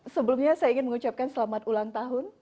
sebelumnya saya ingin mengucapkan selamat ulang tahun